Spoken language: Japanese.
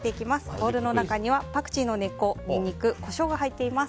ボウルの中にはパクチーの根っこニンニクコショウが入っています。